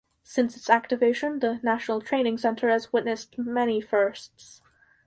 Since its activation, the National Training Center has witnessed many firsts.